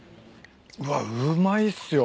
うわうまいっすよ。